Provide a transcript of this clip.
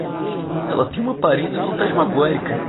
Ela tem uma aparência fantasmagórica